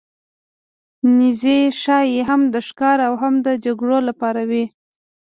نیزې ښايي هم د ښکار او هم د جګړو لپاره وې.